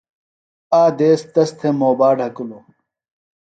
آ دیس تس تھےۡ موبا ڈھکِلو۔